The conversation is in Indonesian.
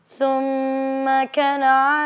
aku mau bekerja